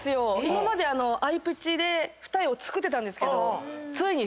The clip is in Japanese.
今までアイプチで二重をつくってたんですけど。